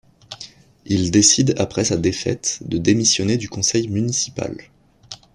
Il décide après sa défaite de démissionner du conseil municipal.